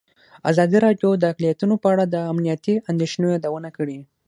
ازادي راډیو د اقلیتونه په اړه د امنیتي اندېښنو یادونه کړې.